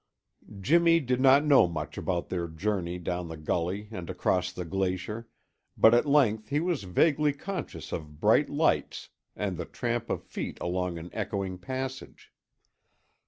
Jimmy did not know much about their journey down the gully and across the glacier, but at length he was vaguely conscious of bright lights and the tramp of feet along an echoing passage.